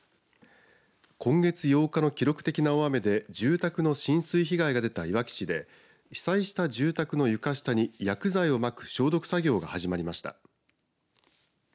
今月８日の記録的な大雨で住宅の浸水被害が出たいわき市で被災した住宅の床下に薬剤をまく消毒作業が始まりました。